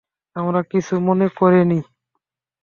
আমরা কিছু মনে করিনি।